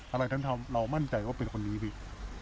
อะไรท่านทำเรามั่นใจว่าเป็นคนนี้พี่